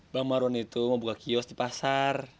bang marwan itu mau buka kios di pasar